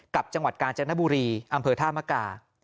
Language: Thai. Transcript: กับจังหวัดกาญจนบุรีอำเภอธามกา